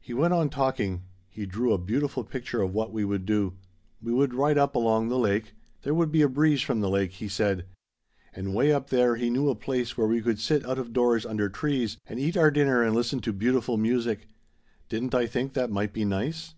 "He went on talking. He drew a beautiful picture of what we would do. We would ride up along the lake. There would be a breeze from the lake, he said. And way up there he knew a place where we could sit out of doors under trees and eat our dinner and listen to beautiful music. Didn't I think that might be nice?